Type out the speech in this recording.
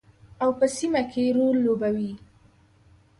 او په سیمه کې رول لوبوي.